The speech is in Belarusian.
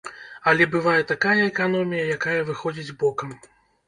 Але бывае такая эканомія, якая выходзіць бокам.